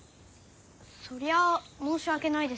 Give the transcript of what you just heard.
そりゃあ申し訳ないですけんど。